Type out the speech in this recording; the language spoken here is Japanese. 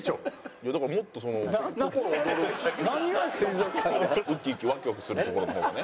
いやだからもっとその心躍るウキウキワクワクする所の方がね。